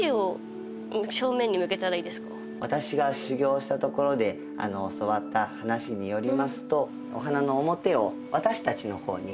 これ私が修行したところで教わった話によりますとお花の表を私たちの方に置かせて頂きます。